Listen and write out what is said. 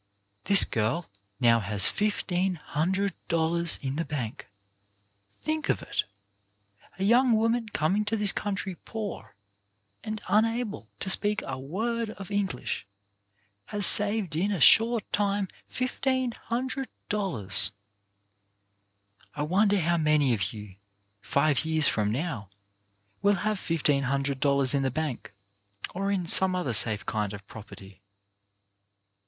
This girl now has fifteen hundred dollars in the bank. Think of it ! A young woman coming to this country poor, and unable to speak a word of English, has saved 276 CHARACTER BUILDING in a short time fifteen hundred dollars ! I wonder how many of you, five years from now, will have fifteen hundred dollars in the bank or in some other safe kind of property.